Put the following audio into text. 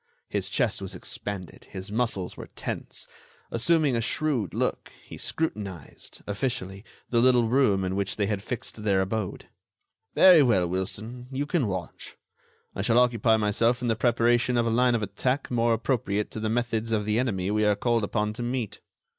His chest was expanded; his muscles were tense. Assuming a shrewd look, he scrutinized, officially, the little room in which they had fixed their abode. "Very well, Wilson, you can watch. I shall occupy myself in the preparation of a line of attack more appropriate to the methods of the enemy we are called upon to meet.